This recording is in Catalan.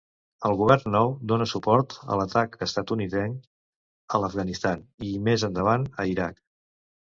El govern nou dóna suport a l'atac estatunidenc a l'Afganistan i més endavant a Iraq.